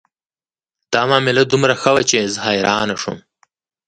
دا معامله دومره ښه وه چې زه حیرانه شوم